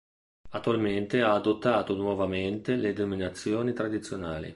Attualmente ha adottato nuovamente le denominazioni tradizionali.